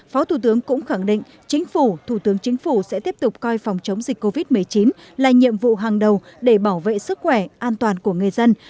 phó thủ tướng cũng khẳng định chính phủ thủ tướng chính phủ sẽ tiếp tục coi phòng chống dịch covid một mươi chín là nhiệm vụ hàng đầu để bảo vệ sức khỏe an toàn của người dân